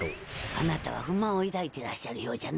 あなたは不満を抱いてらっしゃるようじゃな。